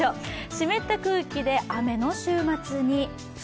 湿った空気で雨の週末に。